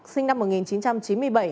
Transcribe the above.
sinh năm một nghìn chín trăm chín mươi bảy